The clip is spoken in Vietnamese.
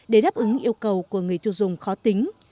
để đáp ứng yêu cầu của người tiêu dùng khó tính